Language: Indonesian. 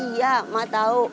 iya mak tahu